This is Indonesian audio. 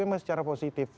memang secara positif